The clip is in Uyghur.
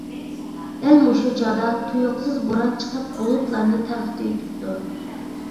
دەل مۇشۇ چاغدا تۇيۇقسىز بوران چىقىپ بۇلۇتلارنى تارقىتىۋېتىپتۇ.